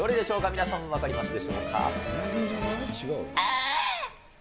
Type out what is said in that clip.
皆さん分かりますでしょうか？